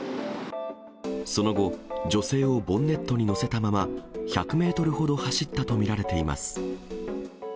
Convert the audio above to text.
その後、女性をボンネットに乗せたまま、１００メートルほど走ったと見られています。